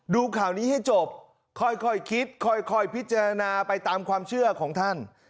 ดูข่าวนี้ให้จบค่อยคิดค่อยพิจารณาไปตามความเชื่อของท่าน